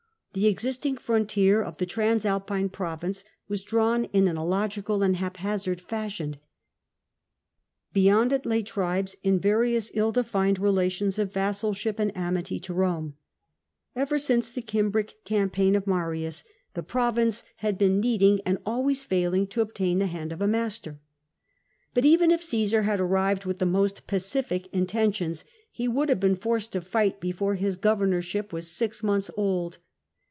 The existing frontier of the Transalpine province was drawn in an illogical and haphazard fasliion; beyond it lay tribes in various ill defined relations of vassalship and amity to Horne. Ever siiice the Cimbric campaign of Marius, tho province had CJESAR GOES TO GAOL 313 been needing, and always failing to obtain, the hand of a master. But even if Caesar had arrived with the most pacific intentions, he would have been forced to fight before his governorship was six months old.